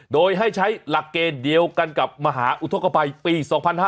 โดยให้ใช้หลักเกณฑ์เดียวกันกับมหาอุทธกภัยปี๒๕๕๙